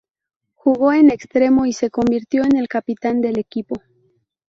Jugó en extremo y se convirtió en el capitán del equipo.